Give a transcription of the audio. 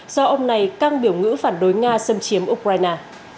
do ông này căng biểu ngữ phản đối nga xâm chiếm ukraine